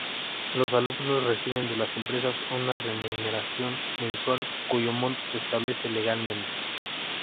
Los alumnos reciben de las empresas una remuneración mensual, cuyo monto se establece legalmente.